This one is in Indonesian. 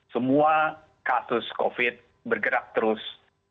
semua kasus covid sembilan belas bergerak terus